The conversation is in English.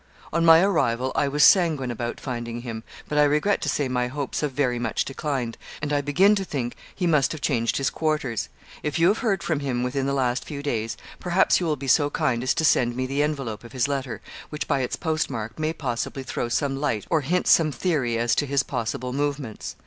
'On my arrival I was sanguine about finding him; but I regret to say my hopes have very much declined, and I begin to think he must have changed his quarters. If you have heard from him within the last few days, perhaps you will be so kind as to send me the envelope of his letter, which, by its postmark, may possibly throw some light or hint some theory as to his possible movements.